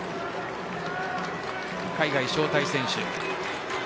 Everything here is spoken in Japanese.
海外招待選手。